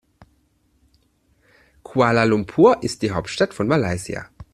Kuala Lumpur ist die Hauptstadt von Malaysia.